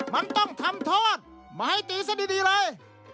มันต้องทำโทษมาให้ตีซะดีเลย